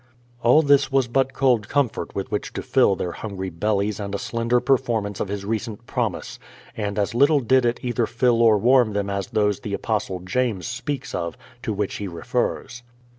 All this was but cold comfort with which to fill their hungry bellies and a slender performance of his recent promise, and as little did it either fill or warm them as those the Apostle James speaks of, to which he refers.